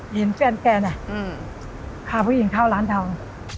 เห็นแฟนแกเนี่ยพาผู้หญิงเข้าร้านทำ